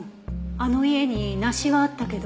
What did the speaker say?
あの家に梨はあったけど。